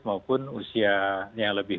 maupun usia yang lebih